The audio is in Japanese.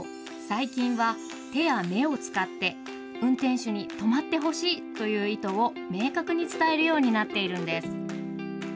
最近は手や目を使って運転手に止まってほしいという意図を明確に伝えるようになっているんです。